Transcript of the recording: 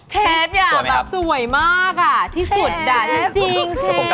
เชฟสวยมากอ่ะที่สุดจริงเชฟ